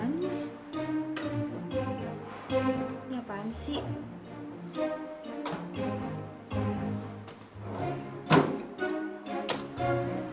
ini apaan sih